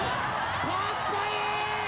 かっこいい！